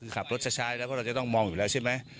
คือขับรถชะชายแล้วเราจะต้องมองอยู่แล้วใช่ไหม